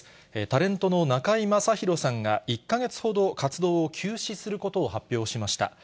タレントの中居正広さんが、１か月ほど活動を休止することを発表しました。